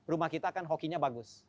rumah kita akan hokinya bagus